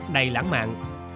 đầy lãng mạn